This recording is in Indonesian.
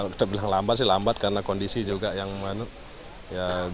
kita bilang lambat sih lambat karena kondisi juga yang mana ya